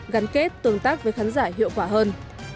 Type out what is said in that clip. gắn kết tương tác với khán giả hiệu quả hơn